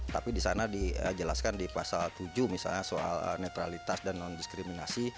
tapi di sana dijelaskan di pasal tujuh misalnya soal netralitas dan non diskriminasi